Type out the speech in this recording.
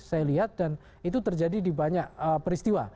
saya lihat dan itu terjadi di banyak peristiwa